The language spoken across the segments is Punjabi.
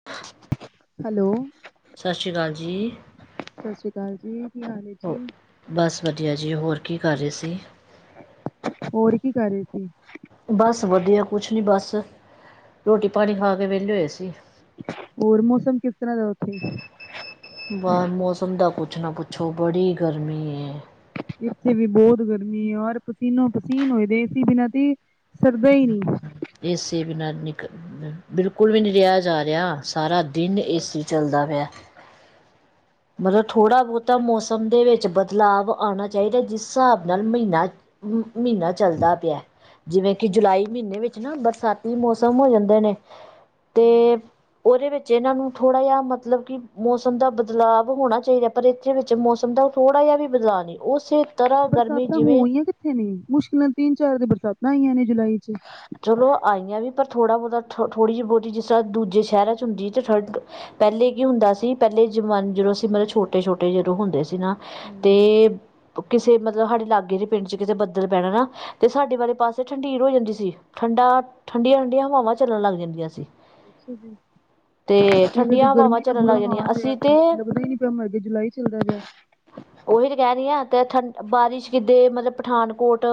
[inaudible] ਹੈਲੋ, ਸਤਿ ਸ਼੍ਰੀ ਅਕਾਲ ਜੀ। ਸਤਿ ਸ੍ਰੀ ਅਕਾਲ ਜੀ ਕੀ ਹਾਲ ਹੈ ਹੋ ਜੀ। ਬਸ ਵਧੀਆ ਜੀ ਹੋਰ ਕੀ ਕਰ ਰਹੇ ਸੀ? ਹੋਰ ਕੀ ਕਰ ਰਹੇ ਸੀ? ਬਸ ਵਧੀਆ ਕੁਛ ਨਹੀਂ ਬਸ, ਰੋਟੀ ਪਾਣੀ ਖਾ ਕੇ ਵਿਹਲੇ ਹੋਏ ਸੀ। ਹੋਰ ਮੌਸਮ ਕਿਸ ਤਰ੍ਹਾਂ ਦਾ ਉੱਥੇ ਬਾਰ ਮੌਸਮ ਦਾ ਕੁਛ ਨਾ ਪੁੱਛੋ ਬੜੀ ਗਰਮੀ ਹੈ। ਇੱਥੇ ਵੀ ਬਹੁਤ ਗਰਮੀ ਏ ਔਰ ਪਸੀਨੋ- ਪਸੀਨ ਹੋ ਗਏ ਸੀ। ਏ ਸੀ ਬਿਨਾਂ ਤੇ ਏ ਸਰਦਾ ਹੀ ਨਹੀਂ। ਏੇ ਸੀ ਬਿਨਾਂ ਨਿਕਲ ਬਿਲਕੁਲ ਵੀ ਨੀ, ਰਿਹਾ ਜਾ ਰਿਹਾ ਸਾਰਾ ਦਿਨ ਏ ਸੀ ਚੱਲਦਾ ਪਿਆ। ਮਤਲਬ ਥੋੜ੍ਹਾ ਬਹੁਤਾ ਮੌਸਮ ਦੇ ਵਿੱਚ ਬਦਲਾਵ ਆਣਾ ਚਾਹੀਦਾ ਜਿਸ ਹਿਸਾਬ ਨਾਲ ਮਹੀਨਾ ਮਹੀਨਾ ਚੱਲਦਾ ਪਿਆ। ਜਿਵੇਂ, ਕਿ ਜੁਲਾਈ ਮਹੀਨੇ ਵਿੱਚ ਨਾ ਬਰਸਾਤੀ ਮੌਸਮ ਹੋ ਜਾਦੇ ਨੇ, ਤੇ, ਉਹਦੇ ਵਿੱਚ ਇਹਨਾਂ ਨੂੰ ਥੋੜਾ ਜਿਹਾ ਮਤਲਬ ਕਿ, ਮੌਸਮ ਦਾ ਬਦਲਾਵ ਹੋਣਾ ਚਾਹੀਦਾ ਪਰ, ਇਸ ਵਿੱਚ ਮੌਸਮ ਦਾ ਥੋੜ੍ਹਾ, ਜਿਹਾ ਵੀ ਬਦਲਾਅ ਨਹੀਂ ਉਸੇ ਤਰ੍ਹਾਂ ਗਰਮੀ ਬਰਸਾਤਾਂ ਜਿਵੇਂ ਹੋਈਆਂ ਕਿੱਥੇ ਨੇ, ਮੁਸ਼ਕਿਲਾਂ ਤਿੰਨ -ਚਾਰ ਤੇ ਬਰਸਾਤਾਂ ਆਈਆਂ ਨੇ ਜੁਲਾਈ ਚ, ਚਲੋ ਆਈਆਂ ਵੀ, ਪਰ ਥੋੜਾ ਬਹੁਤਾ ਥੌ, ਥੋੜ੍ਹੀ ਹੀ ਬਹੁਤੀ, ਜਿਸ ਤਰ੍ਹਾਂ ਦੂਜੇ ਸ਼ਹਿਰਾਂ ਚ'ਹੁੰਦੀ ਅਤੇ ਠੰਡ। ਪਹਿਲੇ ਕੀ ਹੁੰਦਾ ਸੀ। ਪਹਿਲੇ ਜ਼ਮਾਨੇ ਜਦੋਂ ਅਸੀਂ ਮਤਲਬ ਛੋਟੇ -ਛੋਟੇ ਜਦੋਂ ਹੁੰਦੇ ਸੀ ਨਾ। ਤੇ, ਹਮ, ਕਿਸੇ ਮਤਲਬ, ਸਾਡੇ ਲਾਗੇ ਦੇ ਪਿੰਡ ਚ ਕਿਤੇ ਬੱਦਲ ਪੈਣਾ ਨਾ ਤੇ ਸਾਡੇ ਵਾਲੇ ਪਾਸੇ ਠੰਡੀਰ ਹੋ ਜਾਂਦੀ ਸੀ। ਠੰਡਾ, ਠੰਡੀਆਂ- ਠੰਡੀਆਂ ਹਵਾਵਾਂ ਚੱਲਣ ਲੱਗ ਜਾਂਦੀਆਂ ਸੀ। ਅੱਛਾ ਜੀ। ਅਤੇ ਇੱਧਰ ਤੇ ਠੰਡੀਆਂ ਹਵਾਵਾਂ ਗਰਮੀ ਦਾ ਚੱਲਣ ਬੁਰਾ ਲੱਗ ਜਾਂਦੀਆਂ ਹਾਲ ਹੋਇਆ ਅਸੀਂ ਪਿਆ, ਤਾਂ ਲੱਗਦਾ ਹੀ ਨੀ ਪਿਆ ਮਰ ਗੇ ਜੁਲਾਈ ਚੱਲਦਾ ਪਿਆ। ਉਹੀ ਤੇ ਕਹਿ ਰਹੀ ਆ, ਤੇ ਠੰਡ ਬਾਰਿਸ਼ ਕਿੱਦੇ ਮਤਲਬ ਪਠਾਨਕੋਟ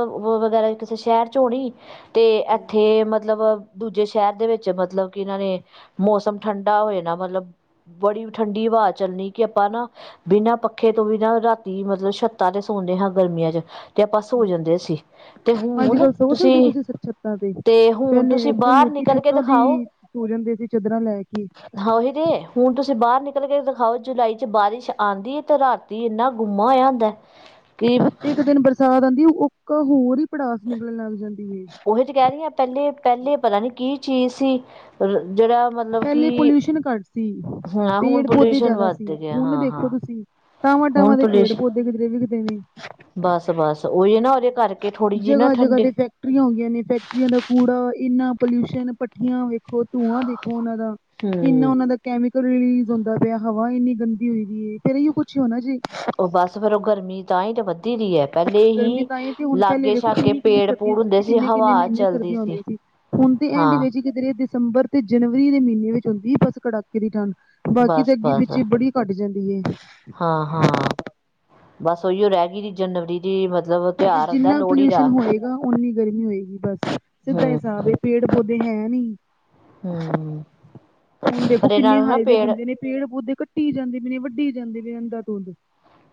ਵਗੈਰਾ। ਕਿਸੇ ਸ਼ਹਿਰ ਚ ਹੋਣੀ ਤੇ ਹਮ, ਏਥੇ ਮਤਲਬ ਦੂਜੇ ਸ਼ਹਿਰ ਦੇ ਵਿੱਚ ਮਤਲਬ ਕਿ ਨਾਲੇ ਮੌਸਮ ਠੰਡਾ ਹੋ ਜਾਣਾ ਮਲਬ ਬੜੀ ਠੰਡੀ ਹਵਾ ਚੱਲਣੀ ਕਿ ਆਪਾਂ ਨਾ ਬਿਨਾਂ ਪੱਖੇ ਤੋਂ ਵੀ ਨਾ ਰਾਤੀ ਮਤਲਬ ਸ਼ਤਾਂ ਤੇ ਸੌਂਦੇ ਹਾਂ ਗਰਮੀਆਂ ਚ ਤੇ ਆਪਾਂ ਸੋ ਜਾਂਦੇ ਸੀ ਤੇ ਅੱਜ ਹੁਨ ਕੱਲ੍ਹ ਸੋ ਸਕਦੇ ਹੋ ਤੁਸੀਂ ਸ- ਛੱਤਾਂ ਤੇ ਅਤੇ ਹੁਣ ਪਹਿਲੇ ਤੁਸੀਂ ਵੇਖੋ ਬਾਹਰ ਲੋਕੀ ਨਿਕਲ ਕੇ ਛੱਤਾਂ ਦਿਖਾਓ ਈ ਸੋ ਜਾਂਦੇ ਸੀ ਚਾਦਰਾਂ ਲੈ ਕੇ ਹਾਂ ਓਹੀ ਤੇ ਹੁਨ ਤੁਸੀਂ ਬਾਹਰ ਨਿਕਲ ਕੇ ਦਿਖਾਓ ਜੁਲਾਈ ਚ ਬਾਰਿਸ਼ ਆਂਦੀ ਏ ਤੇ ਰਾਤੀ ਇੰਨਾ ਗੁੰਮਾ ਹੋਇਆ ਹੋਂਦਾ। [inaudible] ਕਿ ਇੱਕ ਦਿਨ ਬਰਸਾਤ ਆਂਦੀ ੳਕ ਅ ਹੋਰ ਹੀ ਭੜਾਸ ਨਿਕਲਣ ਲੱਗ ਜਾਂਦੀ ਏ। ਉਹੀ ਤੇ ਕਹਿ ਰਹੀ ਹਾਂ ਪਹਿਲੇ ਪਹਿਲੇ ਪਤਾ ਨੀ ਕੀ ਚੀਜ਼ ਸੀ ਜਿਹੜਾ ਮਤਲਬ ਪਹਿਲੇ ਕਿ ਪੋਲਿਊਸ਼ਨ ਘੱਟ ਸੀ, ਹਾਂ ਹੁਣ ਪੇੜ ਪੌਦੇ ਪੋਲਿਊਸ਼ਨ ਜੈਦਾ ਵੱਧ ਸੀ ਗਿਆ ਹੁਨ ਹਾਂ ਦੇਖੋ ਹਾਂ ਤੁਸੀਂ ਟਾਵਾਂ ਹੁਣ ਟਾਵਾਂ ਦੇ ਪੇੜ ਪੋਲਿਊਸ਼ਨ ਪੋਧੇ ਕਿਧਰੇ ਦਿਖਦੇ ਨੇ ਬਸ ਬਸ ਉਹੀ ਨਾ ਉਹਦੇ ਕਰਕੇ ਥੋੜ੍ਹੀ ਜਿਹੀ ਨਾ ਜਗ੍ਹਾ-ਜਗ੍ਹਾ ਠੰਡੀ ਤੇ ਫੈਕਟਰੀਆਂ ਹੋ ਗਈਆਂ ਨੇ ਫੈਕਟਰੀਆਂ ਦਾ ਕੂੜਾ ਇਨਾਂ ਪੋਲਿਊਸ਼ਨ ਭਠੀਆਂ ਵੇਖੋ ਧੂੰਆਂ ਦੇਖ ਉਹਨਾਂ ਦਾ ਇੰਨਾ ਹਮ ਉਹਨਾਂ ਦਾ ਕੈਮੀਕਲ ਰਿਲੀਜ਼ ਹੁੰਦਾ ਪਿਆ ਹਵਾ ਇੰਨੀ ਗੰਦੀ ਹੋਈ ਗਈ ਏ ਫੇਰ ਏਹੀੳ ਕੁਛ ਹੋਨਾ ਜੇ ਤੇ ਫੇਰ ੳਹ ਗਰਮੀ ਤਾਂਹੀ ਤਾਂ ਵੱਧੀ ਦੀ ਹੈ ਪਹਿਲੇ ਗਰਮੀ ਹੀ ਤਾਂ ਤੇ ਹੁਣ ਪਹਿਲੇ ਲਾਗੇ ਵੇਖੋ ਸ਼ਾਗੇ ਕਿੰਨੀ ਕਿੰਨੀ ਪੇੜ- ਸਰਦੀ ਪੂੜ ਹੁੰਦੀ ਹੁੰਦੇ ਸੀ ਕਿੰਨੇ ਕਿੰਨੇ ਹਵਾ ਮਹੀਨੇ ਚਲਦੀ ਸਰਦੀਆਂ ਸੀ। ਹੁੰਦੀਆਂ ਹੁਣ ਦੇ ਐਂਡ ਹਾਂ ਵਿੱਚ ਕਿਧਰੇ ਦਸੰਬਰ ਤੇ ਜਨਵਰੀ ਦੇ ਮਹੀਨੇ ਵਿੱਚ ਹੁੰਦੀ ਬਸ ਕੜਾਕੇ ਦੀ ਠੰਡ, ਬਾਕੀ ਤੇ ਬਸ ਅਗੇ ਬਸ ਪਿੱਛੇ ਬੜੀ ਘੱਟ ਜਾਂਦੀ ਏ ਹਾਂ ਹਾਂ, ਬਸ ਉਹੀਓ ਰਹਿ ਗਈ ਜਨਵਰੀ ਦੀ ਮਤਲਬ ਤਿਉਹਾਰ ਆਉਂਦਾ ਜਿੰਨਾ ਲੋਹੜੀ ਦਾ ਪੋਲਿਊਸ਼ਨ ਹੋਏਗਾ ਓਨੀ ਗਰਮੀ ਹੋਏਗੀ ਬਸ ਸਿੱਧਾ ਹਮ ਹਿਸਾਬ ਏ ਹਮ ਪੇੜ ਓਹ ਦੇ ਹੈ ਨੀ ਹਮ ਹੁਨ ਦੇਖੋ ਪਰ ਇਹਨਾਂ ਕਿੰਨੇ ਨੂੰ ਨਾ ਹਾਈ ਵੇ ਬੰਨਦੇ ਨੇ ਪੇੜ ਪੌਦੇ ਕੱਟੀ ਜਾਂਦੀ ਪਏ ਨੇ ਵੱਢੀ ਜਾਂਦੇ ਪਏ ਨੇ ਅੰਦਾ ਧੁੰਦ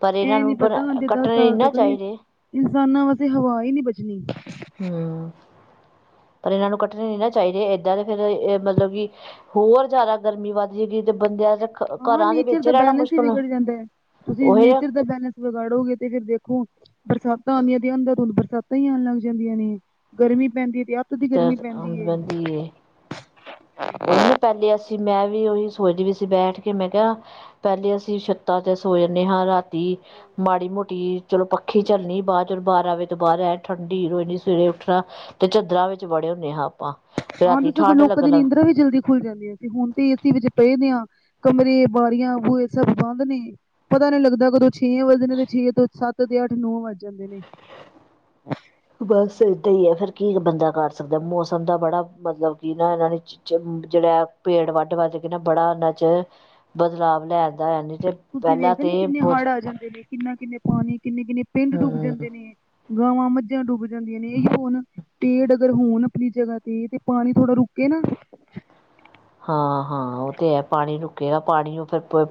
ਪਰ ਇਹਨਾਂ ਨੀ ਨੂੰ ਪਤਾ ਬਣਾ ਆਂਦੇ ਦਸ ਕੱਟਣੇ ਨੀ ਸਾਲ ਨਾ ਤੱਕਣ ਚਾਹੀਦੇ ਇਨਸਾਨਾਂ ਵਾਸਤੇ ਹਵਾ ਹੀ ਨਹੀਂ ਬਚਣੀ। ਹੁ ਪਰ ਇਹਨਾਂ ਨੂੰ ਕੱਟਣੇ ਨਹੀਂ ਨਾ ਚਾਹੀਦੇ ਏਦਾਂ ਦੇ ਫੇਰ ਇਹ ਮਤਲਬ ਵੀ ਹੋਰ ਜੈਦਾ ਗਰਮੀ ਵੱਧ ਜਾਏਗੀ ਤੇ ਬੰਦਿਆਂ ਦਾ ਹਾਂ ਨੇਚਰ ਦਾ ਬੈਲੇੈਂਸ ਈ ਵਿਗੜ ਜਾਂਦਾ ਤੁਸੀਂ ਉਹੀ ਨੇਚਰ ਦਾ ਬੈਲੇੈਂਸ ਵਿਗਾੜੋਗੇ ਤੇ ਫੇਰ ਦੇਖੋ ਬਰਸਾਤਾਂ ਆਂਦੀਆਂ ਤੇ ਅੰਧਾ ਧੁੰਦ ਬਰਸਾਤਾਂ ਹੀ ਆਨ ਲੱਗ ਜਾਂਦੀਆਂ ਨੇ, ਗਰਮੀ ਪੈਂਦੀ ਹੈ ਤੇ ਅ ਅੱਤ ਦੀ ਤੇ ਗਰਮੀ ਪੈਂਦੀ ਏ ਬੰਦੀ ਹੈ ਉਹੀ ਨਾ ਪਹਿਲੇ ਅਸੀਂ ਮੈਂ ਵੀ ਉਹੀ ਸੋਚਦੀ ਵੀ ਸੀ ਬੈਠ ਕੇ ਮੈਂ ਕਿਹਾ ਪਹਿਲੇ ਅਸੀਂ ਸ਼ਤਾਂ ਤੇ ਸੋ ਯਾਨੇ ਹਾਂ ਰਾਤੀ ਮਾੜੀ ਮੋਟੀ ਚਲੋ ਪੱਖੀ ਝਲਨੀ ਬਾਦ ਚ ਚਲੋ ਬਾਰਾਂ ਵਜੇ ਤੋਂ ਬਾਹਰ ਆ ਠੰਡੀ ਰ ਇਨੀ ਸਵੇਰੇ ਉੱਠਣਾ ਤੇ ਚਾਦਰਾਂ ਵਿੱਚ ਵੜੇ ਹੁੰਨੇ ਹਾਂ ਆਪਾਂ ਹਾਂ ਰਾਤੀ ਤੇ ਸਗੋਂ ਠੰਢ ਲੋਕਾਂ ਲੱਗਣ ਦੀ ਲੱਗ ਨਿੰਦਰਾ ਵੀ ਜਲਦੀ ਖੁੱਲ ਜਾਂਦੀਆਂ ਸੀ ਹੁਨ ਤੇ ਏਸੀ ਵਿੱਚ ਪਏਦੇ ਹਾਂ ਕਮਰੇ ਬਾਰੀਆਂ ਬੂਹੇ ਸਭ ਬੰਦ ਨੇ ਪਤਾ ਨਹੀਂ ਲੱਗਦਾ ਕਦੋਂ ਛੇ ਵੱਜਦੇ ਨੇ ਤੇ ਛੇ ਤੋਂ ਸੱਤ ਤੇ ਅੱਠ ਨੌ ਵੱਜ ਜਾਂਦੇ ਨੇ ਬਸ ਏਦਾਂ ਹੀ ਆ ਫਿਰ ਕੀ ਬੰਦਾ ਕਰ ਸਕਦਾ ਮੌਸਮ ਦਾ ਬੜਾ ਮਤਲਬ ਕੀ ਨਾ ਇਹਨਾਂ ਨੇ ਜਿ ਜਿਹੜਾ ਏ ਪੇੜ ਵੱਢ ਵੱਢ ਕੇ ਨਾ ਬੜਾ ਇਹਨਾਂ 'ਚ, ਬਦਲਾਵ ਲੈ ਆਂਦਾ ਹੈ ਨੀ ਤੇ ਤੁਸੀਂ ਪਹਿਲਾਂ ਵੇਖਦੇ ਨੇ ਤੇ ਕਿੰਨੇ ਬਹੁਤ ਹੜ੍ਹ ਆ ਜਾਂਦੇ ਨੇ ਕਿੰਨਾ ਕਿੰਨੇ ਪਾਨੀ ਕਿੰਨੇ ਕਿੰਨੇ ਪਿੰਡ ਡੁੱਬ ਹਮ ਜਾਂਦੇ ਨੇ ਗਾਵਾਂ ਮੱਝਾਂ ਡੁੱਬ ਜਾਂਦੀਆਂ ਨੇ ਇਹੀੳ ਹੁਨ ਪੇੜ ਅਗਰ ਹੋਨ ਅਪਨੀ ਜਗ੍ਹਾ ਤੇ ਤੇ ਪਾਨੀ ਥੋੜਾ ਰੁਕੇ ਨਾ ਹਾਂ ਹਾਂ ਉਹ ਤੇ ਹੈ ਪਾਣੀ ਰੁਕੇਗਾ ਪਾਣੀ ਉਹ ਫੇ ਫੇਰ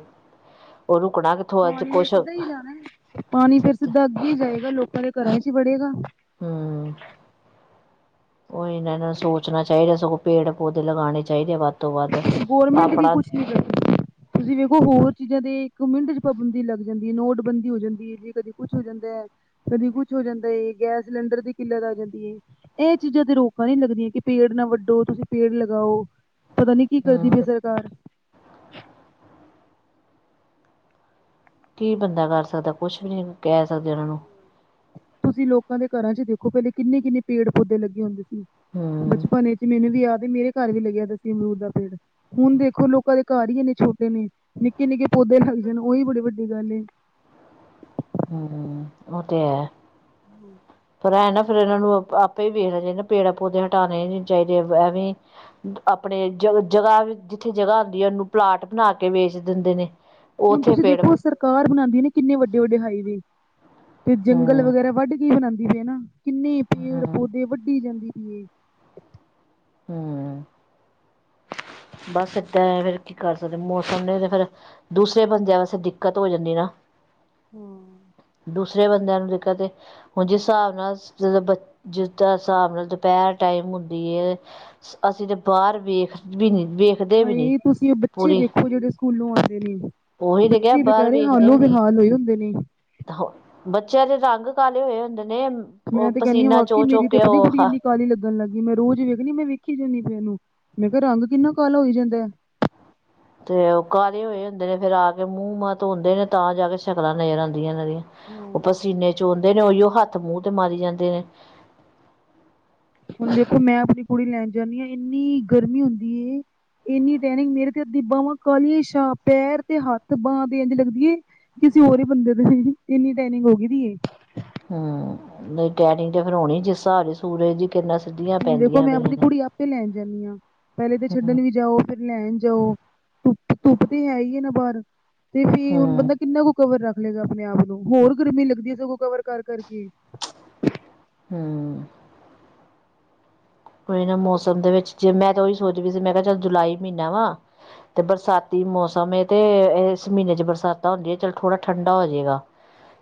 ਉਹ ਰੁਕਣਾ ਕਿ ਪਾਣੀ ਨੇ ਸਿੱਧਾ ਹੀ ਜਾਣਾ ਪਾਣੀ ਤੇ ਫਿਰ ਸਿੱਧਾ ਅੱਗੇ ਹੀ ਜਾਏਗਾ ਲੋਕਾਂ ਦੇ ਘਰਾਂ ਚ ਹੀ ਵੜੇਗਾ ਹੂੰ ਉਹੀ ਨਾ ਇਨਾਂ ਨੂੰ ਸੋਚਣਾ ਚਾਹੀਦਾ ਸਗੋਂ ਪੇੜ ਪੌਦੇ ਲਗਾਉਣੇ ਚਾਹੀਦੇ ਆ ਵੱਧ ਤੋਂ ਵੱਧ ਗੌਰਮੈਂਟ ਵੀ ਆਪਣਾ ਕੁਛ ਨੀ ਕਰਦੀ। ਤੁਸੀਂ ਵੇਖੋ ਹੋਰ ਚੀਜ਼ਾਂ ਦੇ ਇੱਕ ਮਿੰਟ ਚ ਪਾਬੰਦੀ ਲੱਗ ਜਾਂਦੀ ਹੈ ਨੋਟਬੰਦੀ ਹੋ ਜਾਂਦੀ ਹੈ। ਜੀ ਕਦੀ ਕੁੱਛ ਹੋ ਜਾਂਦਾ ਏ ਕਦੀ ਕੁੱਛ ਹੋ ਜਾਂਦਾ ਗੈਸ ਸਿਲੰਡਰ ਦੀ ਕਿੱਲਤ ਆ ਜਾਂਦੀ ਏ। ਇਹ ਚੀਜ਼ਾਂ ਤੇ ਰੋਕਾਂ ਨੀ ਲੱਗਦੀਆਂ ਕਿ ਪੇੜ ਨਾ ਵੱਢੋ ਤੁਸੀਂ ਪੇੜ ਲਗਾਓ। ਪਤਾ ਨੀ ਕੀ ਕਰਦੀ ਹਮ ਪਈ ਸਰਕਾਰ। ਕੀ ਬੰਦਾ ਕਰ ਸਕਦਾ ਕੁਛ ਵੀ ਨੀਂ ਕਹਿ ਸਕਦੇ ਉਹਨਾਂ ਨੂੰ ਤੁਸੀਂ ਲੋਕਾਂ ਦੇ ਘਰਾਂ ਚ ਦੇਖੋ ਪਹਿਲੇ ਕਿੰਨੇ ਕਿੰਨੇ ਪੇੜ ਪੌਦੇ ਲੱਗੇ ਹੁੰਦੇ ਸੀ। ਹਮ ਬਚਪਨ ਵਿੱਚ ਮੈਨੂੰ ਵੀ ਯਾਦ ਮੇਰੇ ਘਰ ਵੀ ਲੱਗਿਆ ਹੁੰਦਾ ਸੀ ਅਮਰੂਦ ਦਾ ਪੇੜ। ਹੁਣ ਦੇਖੋ ਲੋਕਾਂ ਦੇ ਘਰ ਈ ਇੰਨੇ ਛੋਟੇ ਨੇ ਨਿੱਕੇ ਨਿੱਕੇ ਪੌਦੇ ਲੱਗ ਜਾਣ ਉਹੀ ਬੜੇ ਵੱਡੀ ਗੱਲ ਏ। ਹੂੰ ਉਹ ਤੇ ਐ। ਹੂੰ ਪਰ ਇਹ ਨਾ ਫੇਰ ਇਹਨਾਂ ਨੂੰ ਆਪੇ ਵੀ ਵੇਖਣਾ ਚਾਹੀਦਾ ਪੇੜਾ ਪੌਦੇ ਹਟਾਣੇ ਨੀ ਚਾਹੀਦੇ ਐਵੇਂ। ਆਪਣੇ ਜ ਜਗ੍ਹਾ ਜਿੱਥੇ ਜਗ੍ਹਾ ਹੁੰਦੀ ਏ ਉਹਨੂੰ ਪਲਾਂਟ ਬਣਾ ਕੇ ਵੇਚ ਦਿੰਦੇ ਨੇ। ਹੁਣ ਉੱਥੇ ਤੁਸੀਂ ਪੇੜ ਦੇਖੋ ਸਰਕਾਰ ਬਣਾਦੀ ਨੇ ਕਿੰਨੇ ਵੱਡੇ ਵੱਡੇ ਹਾਈਵੇ ਤੇ ਜੰਗਲ ਹਮ ਵਗੈਰਾ ਵੱਢ। ਕੀ ਬਣਾਂਦੀ ਪਈ ਨਾ ਕਿੰਨੇ ਪੇੜ ਹਮ ਪੌਦੇ ਵੱਢੀ ਜਾਂਦੀ ਪਈਏ। ਹੂੰ ਬਸ ਏਦਾਂ ਫੇਰ ਕੀ ਕਰ ਸਕਦੇ ਮੌਸਮ ਨੇ ਤੇ ਫੇਰ ਦੂਸਰੇ ਬੰਦਿਆਂ ਵਾਸਤੇ ਦਿੱਕਤ ਹੋ ਜਾਂਦੀ ਨਾ ਦੂਸਰੇ ਬੰਦਿਆਂ ਨੂੰ ਕਦੇ ਹੁਣ ਜਿਸ ਹਿਸਾਬ ਨਾਲ ਜਦੋਂ ਬ ਜਿਸ ਤਰਾਂ ਹਿਸਾਬ ਨਾਲ ਦੁਪਹਿਰ ਟਾਈਮ ਹੁੰਦੀ ਏ ਅਸੀਂ ਤੇ ਬਾਹਰ ਵੇਖ ਵੀ ਨੀ ਵੇਖ ਹਾਂਏ ਤੁਸੀਂ ਉਹ ਬੱਚੇ ਦੇਖੋ ਜਿਹੜੇ ਸਕੂਲੋਂ ਆਉਂਦੇ ਨੇ। ਉਹੀ ਤੇ ਕਿਹਾ ਬੱਚੇ ਬੇਚਾਰੇ ਹਾਲੋ ਬੇਹਾਲ ਹੋਏ ਹੁੰਦੇ ਨੇ। ਹਾਂ ਬੱਚਿਆਂ ਦੇ ਰੰਗ ਕਾਲੇ ਹੋਏ ਹੁੰਦੇ ਨੇ ਉਹ ਮੈਂ ਤੇ ਕਹਿਣੀ ਆ ਪਸੀਨਾ ਵਕੇਈ ਚੋ ਚੋ ਮੇਰੀ ਤੇ ਕੇ ਆਪਣੀ ਉਹ ਗੁੜੀਆਂ ਇੰਨੀ ਕਾਲੀ ਲੱਗਣ ਲੱਗ ਗਈ ਮੈਂ ਰੋਜ਼ ਵੇਖਣੀ ਮੈਂ ਵੇਖੀ ਜਾਂਣੀ ਫਿਰ ਇਹਨੂੰ ਮੈਂ ਕਿਹਾ ਰੰਗ ਕਿੰਨਾ ਕਾਲਾ ਹੋਈ ਜਾਂਦਾ। ਤੇ ਉਹ ਕਾਲੇ ਹੋਏ ਹੁੰਦੇ ਨੇ ਫੇਰ ਆ ਕੇ ਮੂੰਹ ਮਾਂਹ ਧੋੋਂਦੇ ਨੇ ਤਾਂ ਜਾ ਕੇ ਸ਼ਕਲਾਂ ਨਜ਼ਰ ਆਉਂਦੀਆਂ ਇਹਨਾਂ ਦੀਆਂ ਉਹ ਹਮ ਪਸੀਨੇ ਚੋਂਦੇ ਨੇ ਉਹੀਓ ਹੱਥ ਮੂੰਹ ਤੇ ਮਾਰੀ ਜਾਂਦੇ ਨੇ ਹੁਣ ਦੇਖੋ ਮੈਂ ਆਪਣੀ ਕੁੜੀ ਲੈਣ ਜਾਂਨੀ ਆ ਇੰਨੀ ਗਰਮੀ ਹੁੰਦੀ ਏ ਇੰਨੀ ਟੈਨਿੰਗ ਮੇਰੇ ਤੇ ਅੱਧੀ ਬਾਵਾਂ ਕਾਲੀਆਂ ਸ਼ਾਹ ਪੈਰ ਤੇ ਹੱਥ ਬਾਂਹ ਦੇ ਇੰਜ ਲੱਗਦੀ ਏ ਕਿਸੇ ਹੋਰ ਹੀ ਬੰਦੇ ਦੇ ਇੰਨੀ ਟੇਨਿੰਗ ਹੋਗੀ ਦੀ ਇਹ ਹਮ ਨਹੀਂ ਟੈਨਿੰਗ ਤੇ ਫੇਰ ਹੋਣੀ ਜਿਸ ਸਾਬ ਦੀ ਸੂਰਜ ਦੀ ਕਿਰਨਾਂ ਸਿੱਧੀਆਂ ਹੁਣ ਦੇਖੋ ਪੈਂਦੀਆਂ ਮੈਂ ਪਈਆਂ ਆਪਣੀ ਨੇ ਕੁੜੀ ਆਪੇ ਲੈਣ ਜਾਂਨੀ ਆ ਪਹਿਲੇ ਤਾਂ ਹੂੰ ਛੱਡਣ ਵੀ ਜਾਓ ਫਿਰ ਲੈਣ ਜਾਓ ਧੁੱਪ ਤੇ ਹੈ ਹੀ ਹੈ ਨਾ ਬਾਹਰ ਤੇ ਫੇਰ ਵੀ ਹੁਣ ਹੂੰ ਬੰਦਾ ਕਿੰਨਾ ਕੁ ਕਵਰ ਰੱਖ ਲਏਗਾ ਆਪਣੇ ਆਪ ਨੂੰ ਹੋਰ ਗਰਮੀ ਲੱਗਦੀ ਹੈ ਸਗੋਂ ਕਵਰ ਕਰ ਕਰਕੇ। ਹੂੰ ਕੋਈ ਨਾ ਮੌਸਮ ਦੇ ਵਿੱਚ ਜੇ ਮੈਂ ਤਾਂ ਉਹੀ ਸੋਚ ਵੀ ਰਈ ਸੀ ਮੈਂ ਕਿਹਾ ਚੱਲ ਜੁਲਾਈ ਮਹੀਨਾ ਵਾ ਤੇ ਬਰਸਾਤੀ ਮੌਸਮ ਏ ਤੇ ਇਸ ਮਹੀਨੇ ਚ ਬਰਸਾਤਾਂ ਹੁੰਦੀਆਂ ਚਲ ਥੋੜ੍ਹਾ ਠੰਡਾ ਹੋ ਜਾਏਗਾ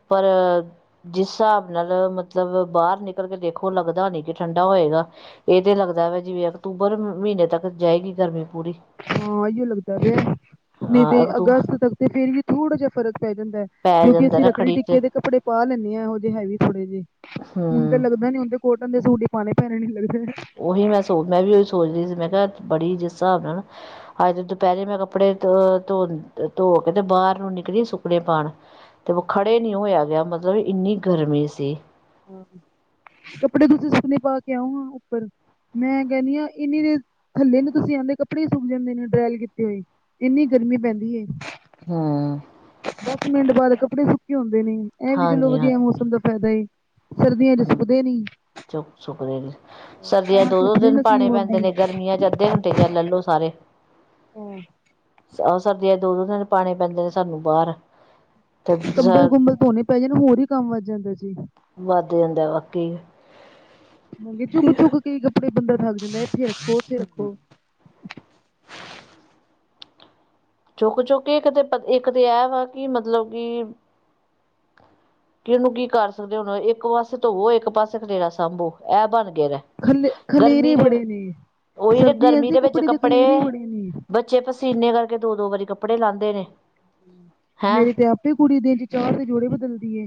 ਪਰ ਜਿਸ ਹਿਸਾਬ ਨਾਲ਼ ਮਤਲਬ ਬਾਹਰ ਨਿਕਲ ਕੇ ਦੇਖੋ ਲੱਗਦਾ ਨੀ ਕਿ ਠੰਡਾ ਹੋਏਗਾ। ਇਹ ਤੇ ਲੱਗਦਾ ਵਾ ਜਿਵੇਂ ਅਕਤੂਬਰ ਮਹੀਨੇ ਤੱਕ ਜਾਏਗੀ ਗਰਮੀ ਪੂਰੀ। ਹਾਂ ਇਓ ਲੱਗਦਾ ਪਿਆ ਨਹੀਂ ਹਾਂ ਤੇ ਅਕਤੂ ਅਗਸਤ ਤੱਕ ਤੇ ਫੇਰ ਵੀ ਥੋੜਾ ਜ ਫ਼ਰਕ ਪੈ ਜਾਂਦਾ ਏ। ਪੈ ਕਿਉਂਕਿ ਜਾਂਦਾ ਅਸੀਂ ਰੱਖੜੀ ਚ ਟਿੱਕੇ ਦੇ ਕੱਪੜੇ ਪਾ ਲੈਂਨੇ ਹਾਂ ਇਹੋ ਜਿਹੇ ਹੈਵੀ ਥੋੜ੍ਹੇ ਜੇ ਹੁਣ ਤਾਂ ਹੂੰ ਲੱਗਦਾ ਨੀ ਹੁਣ ਕੋਟਨ ਦੇ ਸੂਟ ਹੀ ਪਾਣੇ ਪੈਣੇ ਨੇ ਲੱਗਦੇ। ਉਹੀ ਮੈਂ ਸੋ ਮੈਂ ਵੀ ਉਹੀ ਸੋਚਦੀ ਸੀ ਮੈਂ ਕਿਹਾ ਬੜੀ ਜਿਸ ਹਿਸਾਬ ਨਾਲ਼ ਨਾ। ਅੱਜ ਦੁਪਹਿਰੇ ਮੈਂ ਕੱਪੜੇ ਧੋ ਧੋ ਧੋ ਕੇ ਤੇ ਬਾਹਰ ਨੂੰ ਨਿਕਲੀ ਸੁੱਕਣੇੇ ਪਾਣ। ਤੇ ਖੜੇ ਨੀ ਹੋਇਆ ਗਿਆ ਮਤਲਬ ਇੰਨੀ ਗਰਮੀ ਸੀ। ਕੱਪੜੇ ਤੁਸੀਂ ਸੁੱਕਨੇ ਪਾ ਕੇ ਆਓ ਨਾ ਉੱਪਰ। ਮੈਂ ਕਹਿਣੀ ਆ ਇੰਨੀ ਦੇ ਥੱਲੇ ਨੂੰ ਤੁਸੀਂ ਆਂਦੇ ਕੱਪੜੇ ਸੁੱਕ ਜਾਂਦੇ ਨੇ ਡਰੈਲ ਕੀਤੇ ਹੋਏ। ਇੰਨੀ ਗਰਮੀ ਪੈਂਦੀ ਏ। ਹਮ। ਦਸ ਮਿੰਟ ਬਾਅਦ ਕੱਪੜੇ ਸੁੱਕੇ ਹੁੰਦੇ ਨੇ ਇਹ ਵੀ ਚਲੋ ਵਧੀਆ ਹਾਂਜੀ-ਹਾਂਜੀ ਮੌਸਮ ਦਾ ਫਾਇਦਾ ਏ। ਨਹੀਂ ਤਾ ਸੁਕਦੇ ਨੀ। ਸੁੁਕਦੇ ਨੀ ਸਰਦੀਆਂ ਚ ਤਾਂ ਦੋ-ਦੋ ਧੁੱਪ ਨੀ ਦਿਨ ਪਾਉਣੇ ਨਸੀਬ ਪੈਂਦੇ ਨੇ ਹੁੰਦੀ ਗਰਮੀਆਂ ਚ ਅੱਧੇ ਘੰਟੇ ਚ ਲੈ ਲੋ ਸਾਰੇ। ਹਮ। ਆਹ ਸਰਦੀ ਚ ਦੋ -ਦੋ ਦਿਨ ਪਾਣੇ ਪੈਂਦੇ ਨੇ ਸਾਨੂੰ ਬਾਹਰ। ਤੇ ਕੰਬਲ ਕੁੰਬਲ ਧੋਣੇ ਪੈ ਜਾ ਹੋਰ ਹੀ ਕੰਮ ਵੱਧ ਜਾਂਦਾ ਸੀ। ਵੱਧ ਜਾਂਦਾ ਵਾਕੀ। ਚੁੱਕ -ਚੁੱਕ ਕਈ ਕੱਪੜੇ ਬੰਦਾ ਥੱਕ ਜਾਂਦਾ ਇੱਥੇ ਰੱਖੋ ਉੱਥੇ ਰੱਖੋ। ਚੁੱਕ ਚੁੱਕ ਕੇ ਇੱਕ ਤੇ ਇੱਕ ਤੇ ਇਹ ਵਾ ਕਿ ਮਤਲਬ ਕਿ। ਕਿਨੂੰ ਕੀ ਕਰ ਸਕਦੇ ਹਾ ਹੁਣ ਇੱਕ ਪਾਸੇ ਧੋਵੋ ਇੱਕ ਪਾਸੇ ਖਡੇਰਾ ਸਾਂਭੋ ਇਹ ਬਣ ਗਿਆ ਦਾ। ਖਲੇ ਗਰਮੀ ਖਲੇਰੇ ਦੇ ਬੜੇ ਨੇ। ਉਹੀ ਸਰਦੀਆਂ ਗਰਮੀ ਦੇ ਵਿੱਚ ਖਲੇਰੇ ਕੱਪੜੇ। ਬੜੇ ਨੇ ਬੱਚੇ ਪਸੀਨੇ ਕਰਕੇ ਦੋ-ਦੋ ਵਾਰੀ ਕੱਪੜੇ ਲਾਂਦੇ ਨੇ। ਹੈਂ ਮੇਰੀ ਤੇ ਆਪੇ ਕੁੜੀ ਦਿਨ ਚ ਚਾਰ ਦੇ ਜੋੜੇ ਬਦਲਦੀ ਏ।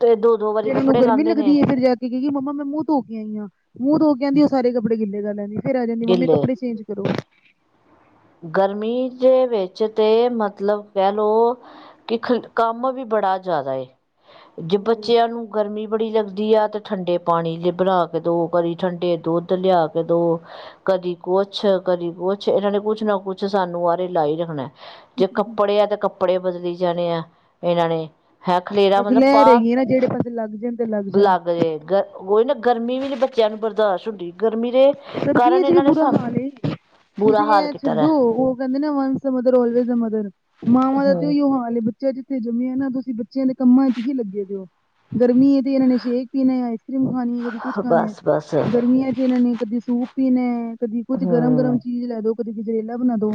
ਤੇ ਦੋ ਦੋ ਵਾਰੀ ਉਹਨੂੰ ਕੱਪੜੇ ਗਰਮੀ ਲਾਉਂਦੇ ਨੇ ਲੱਗਦੀ ਹੈ ਫਿਰ। ਫ਼ਿਰ ਕਏਗੀ ਮੰਮਾ ਮੈਂ ਮੂੰਹ ਧੋ ਕੇ ਆਈ ਆ ਮੂੰਹ ਧੋ ਕੇ ਆਂਦੀ ਆ ਸਾਰੇ ਕੱਪੜੇ ਗਿੱਲੇ ਕਰ ਲੈਂਦੀ ਆ। ਫ਼ਿਰ ਆ ਜਾਂਦੀ ਆ ਮੰਮੀ ਗਿੱਲੇ ਕੱਪੜੇ ਚੇਂਜ ਕਰੋ। ਗਰਮੀ ਦੇ ਵਿੱਚ ਤੇ ਮਤਲਬ ਕਹਿ ਲਓ। ਕਿ ਕੰਮ ਵੀ ਬੜਾ ਜ਼ਿਆਦਾ ਏ ਜੇ ਬੱਚਿਆਂ ਨੂੰ। ਗਰਮੀ ਬੜੀ ਲੱਗਦੀ ਆ ਅਤੇ ਠੰਡੇ ਪਾਣੀ ਬਣਾ ਕੇ ਦਿਉ ਕਦੀ ਠੰਡੇ ਦੁੱਧ ਲਿਆ ਕੇ ਦਿਉ। ਕਦੀ ਕੁਛ ਕਦੀ ਕੁਛ ਇਹਨਾਂ ਨੇ ਕੁਛ ਨਾ ਕੁਛ ਸਾਨੂੰ ਆਰੇ ਲਾ ਹੀ ਰੱਖਣਾ। ਜੇ ਕੱਪੜੇ ਆ ਤੇ ਕੱਪੜੇ ਬਦਲੀ ਜਾਣੇ ਆ ਇਹਨਾਂ ਨੇ। ਹੈ ਖਲੇਰਾ ਬਸ ਮਤਲਬ ਲਹਿਰ ਪਾ ਹੈਗੀ ਏ ਨਾ ਜਿਹੜੇ ਪਾਸੇ ਲੱਗ ਜਾਣ ਤੇ ਜਾਣ। ਲੱਗ। ਉਹਈ ਨਾ ਗਰਮੀ ਵੀ ਬਚਿਆ ਨੂੰ ਬਰਦਾਸ਼ਤ ਹੁੰਦੀ ਗਰਮੀ ਦੇ। ਕਾਰਨ [unintelligible] ਇਹਨਾਂ ਨੇ ਬੁਰਾ ਸਾਨੂੰ ਹਾਲ ਏ। ਬੁਰਾ ਤੁਸੀਂ ਹਾਲ ਇਹ ਕੀਤਾ ਦਾ ਛੱਡੋ ਉਹ ਕਹਿੰਦੇ ਨਾ ਵੰਸ ਮਦਰਲਵੇਜ਼ ਮਦਰ ਮਾਵਾਂ ਦਾ ਤੇ ਹੂੰ ਓਈਓ। ਬੱਚੇ ਜਿੱਥੇ ਜੰਮੇ ਆ ਨਾ ਤੁਸੀਂ ਬੱਚਿਆਂ ਦੇ ਕੰਮਾਂ ਚ ਹੀ ਲੱਗੇ ਦਿਉ। ਗਰਮੀ ਹੈ ਤੇ ਇਹਨਾਂ ਨੇ ਸ਼ੇਕ ਪੀਣਾ ਹੈ ਆਈਸ ਕਰ੍ਰੀਮ ਖਾਣੀ ਹੈ ਕਦੀ ਕੁਝ ਖਾਣਾ ਹੈ ਬਸ ਬਸ ਗਰਮੀਆਂ ਚ ਇਹਨਾਂ ਨੇ। ਕਦੀ ਸੂਪ ਪੀਣਾ ਹੈ ਕਦੀ ਕੁੱਝ ਗਰਮ-ਗਰਮ ਹਮ ਚੀਜ਼ ਲੈ ਦੋ ਕਦੀ ਗਜਰੇਲਾ ਬਣਾ ਦੋ।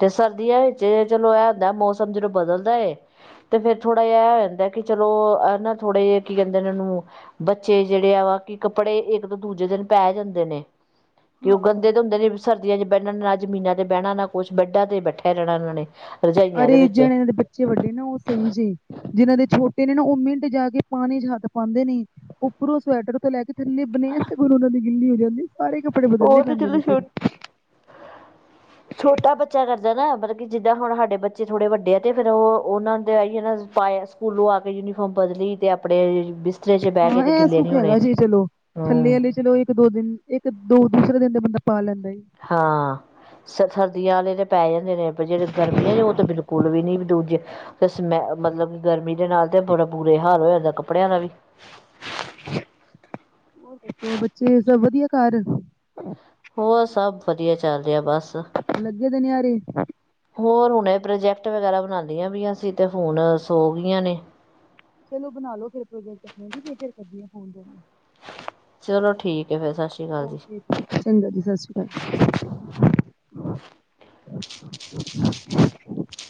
ਤੇ ਸਰਦੀਆਂ ਵਿੱਚ ਚਲੋ ਇਹ ਹੁੰਦਾ ਮੌਸਮ ਜਦੋਂ ਬਦਲਦਾ ਏ। ਤੇ ਫ਼ਿਰ ਥੋੜਾ ਜਿਹਾ ਇਹ ਹੋ ਜਾਂਦਾ ਕਿ ਚਲੋ ਆ ਨਾ ਥੋੜੇ ਜਿਹੇ ਕੀ ਕਹਿੰਦੇ ਇਹ ਨੂੰ। ਬੱਚੇ ਜਿਹੜੇ ਆ ਵਾ ਕਿ ਕੱਪੜੇ ਇੱਕ ਦੂਜੇ ਦਿਨ ਪੈ ਜਾਂਦੇ ਨੇ। ਕਿ ਉਹ ਹਾਂ। ਗੰਦੇ ਤੇ ਹੁੰਦੇ ਨੇ ਸਰਦੀਆਂ ਚ ਬਹਿਣਾਣ ਨਾ ਜ਼ਮੀਨਾਂ ਤੇ ਬਹਿਣਾ ਨਾ। ਕੁਛ ਵੱਡਾ ਤੇ ਬੈਠਿਆ ਰਹਿਣਾ ਇਹਨਾਂ ਨੇ। ਰਜਾਈਆਂ ਦੇ ਅਰੇ ਵਿੱਚ ਜਿਹਨਾਂ। ਬੱਚੇ ਵੱਡੇ ਨਾ ਉਹ ਸਮਝਦੇ ਜਿਹਨਾਂ ਦੇ ਛੋਟੇ ਨੇ ਨਾ ਉਹ ਮਿੰਟ ਜਾ ਕੇ ਪਾਣੀ ਚ ਹੱਥ ਪਾਉਂਦੇ ਨੇ। ਉੱਪਰੋਂ ਸਵੈਟਰ ਤੋਂ ਲੈ ਕੇ ਥੱਲੇ ਬਨੇ ਤੇ ਫਿਰ ਉਹਨਾਂ ਦੀ ਗਿੱਲੀ ਹੋ ਜਾਂਦੀ ਸਾਰੇ। ਬਦਲਣੇ ਉਹ ਤੇ ਪੈਂਦੇ ਨੇ ਚਲੋ ਫਿਰ। ਛੋ। ਛੋਟਾ ਬੱਚਾ ਕਰਦਾਂ ਨਾ ਮਤਲਬ ਕਿ ਜਿੱਦਾਂ ਹੁਣ ਸਾਡੇ ਬੱਚੇ ਬੱਚੇ ਥੋੜੇ ਵੱਡੇ ਆ ਤੇ ਫ਼ਿਰ ਉਹ ਉਹਨਾ ਆਈ ਨਾ ਪਾਇਆ ਸਕੂਲੋਂ ਆ ਕੇ ਯੂਨੀ ਫੌਮ ਬਦਲੀ ਤੇ ਆਪਣੇ ਬਿ ਹਾਂ ਇਹ ਸੁੱਖ ਹੈਗਾ ਜੇ ਚਲੋ ਥੱਲੇ ਹਮ ਵਲੇ ਚ ਰਹੋ ਨਿ ਦੋ ਦਿਨ, ਇੱਕ-ਦੋ ਦੂਸਰੇ ਦਿਨ ਬੰਦਾ ਪਾ ਲੈਂਦਾ ਏ। ਹਾਂ। ਸਰ ਸਰਦੀਆਂ ਵਾਲੇ ਤਾਂ ਪੈ ਜਾਂਦੇ ਨੇ। ਪਰ ਜੇਹੜੇ ਗਰਮੀ ਹੈ ਜੇ ਉਹ ਤਾਂ ਬਿਲਕੁਲ ਵੀ ਨੀ ਦੂਜੇ ਤੇ ਸਮੈ ਮਤਲਬ ਗਰਮੀ ਦੇ ਨਾਲ ਤੇ ਬੜਾ ਬੁਰੇ ਹਾਲ ਹੋ ਜਾਂਦਾ ਕੱਪੜਿਆਂ ਦਾ ਵੀ ਹੋਰ ਦੱਸੋ, ਬੱਚੇ ਸਭ ਵਧੀਆ ਘਰ। ਹੋਰ ਸਭ ਵਧੀਆ ਚੱਲ ਰਿਹਾ ਬਸ। ਲਗੇ ਦੇ ਨਿਆਣੇ। ਹੋਰ ਹੁਣੇ ਇਹ ਪ੍ਰੋਜੈਕਟ ਵਗੈਰਾ ਬਣਾਦੀਆਂ ਪਇਆ, ਸੀ ਤੇ ਹੁਣ ਸੋ ਗਈਆਂ ਨੇ। ਚਲੋ ਬਣਾ ਲੋ, ਫਿਰ ਪ੍ਰੋਜੈਕਟ ਆਪਣੇ, ਠੀਕ ਏ ਫਿਰ ਕਰਦੀ ਆ ਫੋਨ ਤੁਹਾਨੂੰ। ਚਲੋ ਠੀਕ ਹੈ, ਫਿਰ ਸਸ਼ਿ ਸ਼੍ਰੀ ਅਕਾਲ ਜੀ। ਓਕੇ ਚੰਗਾ, ਜੀ ਸਸਿ ਸ਼੍ਰੀ ਅਕਾਲ।